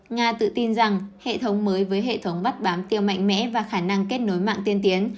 nga tự tin rằng hệ thống mới với hệ thống bắt bám tiêu mạnh mẽ và khả năng kết nối mạng tiên tiến